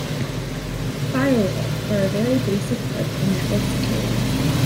Firewalls are a very basic part of network security.